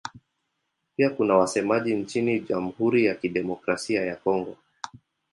Pia kuna wasemaji nchini Jamhuri ya Kidemokrasia ya Kongo.